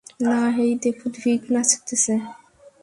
না - হেই দেখো ভিক নাচতেছে?